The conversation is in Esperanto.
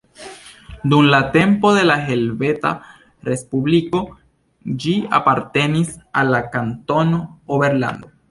Dum la tempo de la Helveta Respubliko ĝi apartenis al la Kantono Oberlando.